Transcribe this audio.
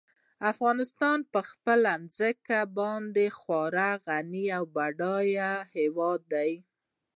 افغانستان په خپله ځمکه باندې خورا غني او بډای هېواد دی.